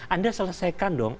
anda selesaikan dong